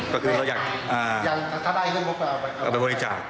ก็คือเราอยากเอาไปบริจาค